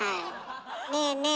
ねえねえ